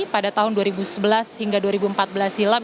pada tahun dua ribu sebelas hingga dua ribu empat belas silam